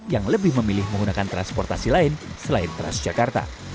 yang lebih memilih menggunakan transportasi lain selain transjakarta